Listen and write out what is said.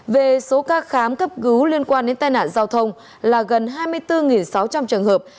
về số ca khám cấp cứu liên quan đến tai nạn giao thông là gần hai mươi bốn sáu trăm linh trường hợp